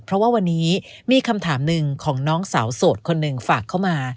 เพราะว่าวันนี้มีคำถามหนึ่งของน้องสาวโสดคนหนึ่งฝากเข้ามา